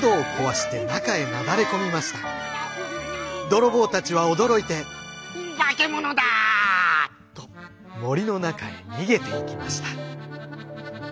泥棒たちは驚いて「化け物だ！」と森の中へ逃げていきました。